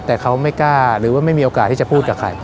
แต่เขาไม่กล้าหรือว่าไม่มีโอกาสที่จะพูดกับใคร